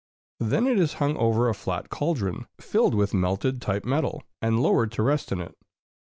Then it is hung over a flat cauldron filled with melted type metal, and lowered to rest in it.